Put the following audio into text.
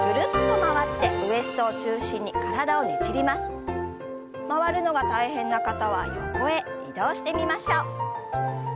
回るのが大変な方は横へ移動してみましょう。